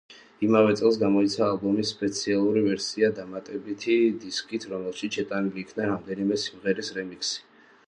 იმავე წელს გამოიცა ალბომის სპეციალური ვერსია, დამატებითი დისკით, რომელშიც შეტანილი იქნა რამდენიმე სიმღერის რემიქსი.